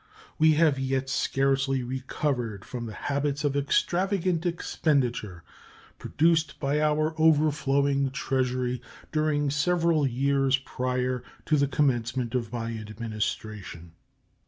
We have yet scarcely recovered from the habits of extravagant expenditure produced by our overflowing Treasury during several years prior to the commencement of my Administration.